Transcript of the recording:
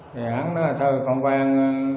thì hắn nói thôi không quen